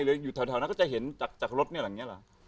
หรืออยู่แถวนั้นก็จะเห็นจากรถนี่อะไรอย่างนี้หรือ